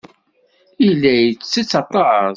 Yella yettett aṭas.